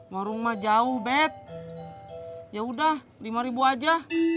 warung mah jauh bet yaudah rp lima aja